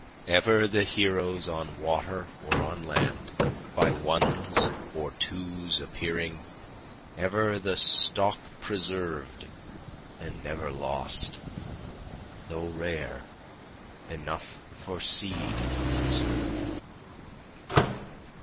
(Ever the heroes on water or on land, by ones or twos appearing, Ever the stock preserv'd and never lost, though rare, enough for seed preserv'd.)